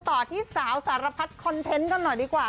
ต่อที่สาวสารพัดคอนเทนต์กันหน่อยดีกว่า